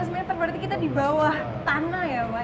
lima ratus meter berarti kita di bawah tanah ya pak